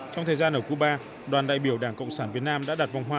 trong thời gian ở cuba đoàn đại biểu đảng cộng sản việt nam đã đặt vòng hoa